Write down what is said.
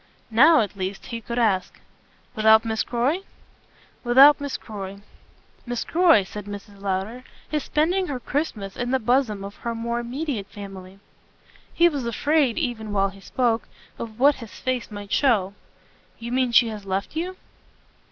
Now at least he could ask. "Without Miss Croy?" "Without Miss Croy. Miss Croy," said Mrs. Lowder, "is spending her Christmas in the bosom of her more immediate family." He was afraid, even while he spoke, of what his face might show. "You mean she has left you?"